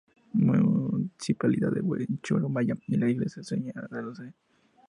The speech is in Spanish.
Municipalidad de Huechuraba y la iglesia Nuestra Señora de los Pobres.